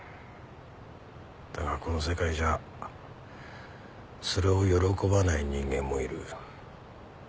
だがこの世界じゃそれを喜ばない人間もいる。